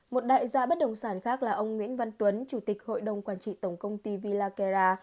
một đại gia bất động sản khác là ông nguyễn văn tuấn chủ tịch hội đồng quản trị tổng công ty villageara